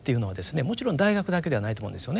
もちろん大学だけではないと思うんですよね。